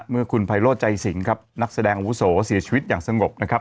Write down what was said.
เมื่อคุณไพโรธใจสิงครับนักแสดงอาวุโสเสียชีวิตอย่างสงบนะครับ